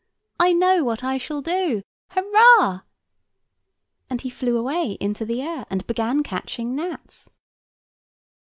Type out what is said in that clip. I know what I shall do. Hurrah!" And he flew away into the air, and began catching gnats.